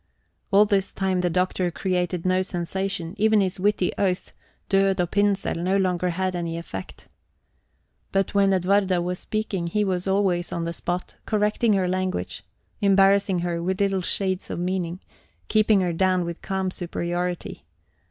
All this time the Doctor created no sensation; even his witty oath, Död og Pinsel, no longer had any effect. But when Edwarda was speaking, he was always on the spot, correcting her language, embarrassing her with little shades of meaning, keeping her down with calm superiority.